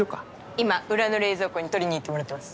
今裏の冷蔵庫に取りにいってもらってます。